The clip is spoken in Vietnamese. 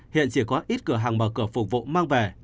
hiện chỉ có ít cửa hàng mở cửa phục vụ mang về